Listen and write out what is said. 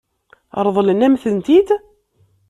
Ṛeḍlen-am-tent-id?